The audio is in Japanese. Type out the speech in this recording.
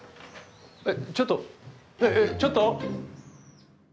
えっちょっとちょっと！